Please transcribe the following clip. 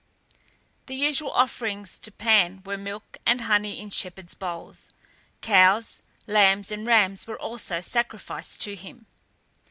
The usual offerings to Pan were milk and honey in shepherds' bowls. Cows, lambs, and rams were also sacrificed to him.